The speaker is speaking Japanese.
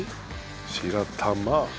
白玉。